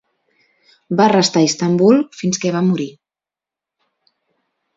Va restar a Istanbul fins que va morir.